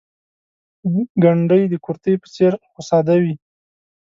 ګنډۍ د کورتۍ په څېر خو ساده وي.